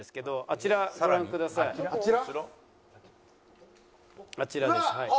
あちらですはい。